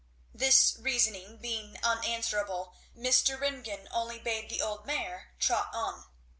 This reasoning being unanswerable Mr. Ringgan only bade the old mare trot on.